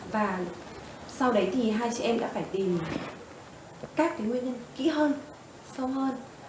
và sau đấy thì hai chị em đã phải tìm các nguyên nhân kỹ hơn sâu hơn